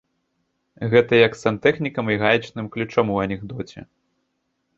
Гэта як з сантэхнікам і гаечным ключом у анекдоце.